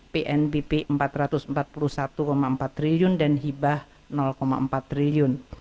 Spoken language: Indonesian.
pnbp rp empat ratus empat puluh satu empat triliun dan hibah empat triliun